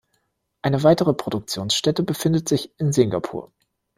Eine weitere Produktionsstätte befindet sich in Singapur.